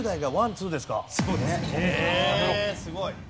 すごい。